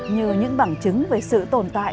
như những bằng chứng về sự tồn tại